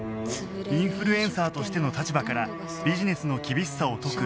インフルエンサーとしての立場からビジネスの厳しさを説く葵